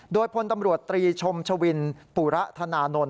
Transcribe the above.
โดยพลตำรวจตรีชมชวินปุระธนานนท์